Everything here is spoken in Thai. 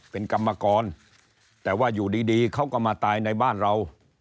เป็นกรรมกรแต่ว่าอยู่ดีเขาก็มาตายในบ้านเรา